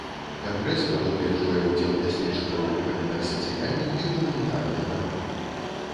Кангрэс прадугледжвае ўдзел даследчыкаў у галінах сацыяльных і гуманітарных навук.